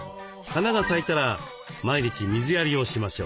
花が咲いたら毎日水やりをしましょう。